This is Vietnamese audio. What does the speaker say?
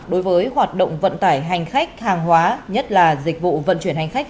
đối với hoạt động vận tải hành khách hàng hóa nhất là dịch vụ vận chuyển hành khách